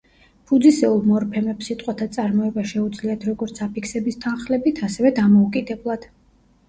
ფუძისეულ მორფემებს სიტყვათა წარმოება შეუძლიათ როგორც აფიქსების თანხლებით, ასევე დამოუკიდებლად.